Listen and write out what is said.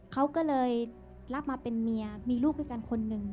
เขาก็เลยรับมาเป็นเมียมีลูกด้วยกันคนหนึ่ง